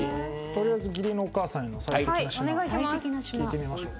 取りあえず義理のお母さんへの最適な品、聞いてみましょう。